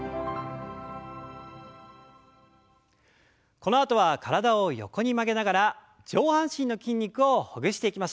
このあとは体を横に曲げながら上半身の筋肉をほぐしていきましょう。